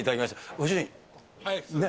ご主人ね。